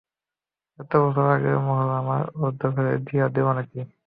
এত বছর আগের মহল আমার, ওর দখলে দিয়া দিবো নাকি।